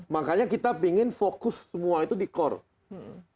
makanya kita ingin fokus semua itu di core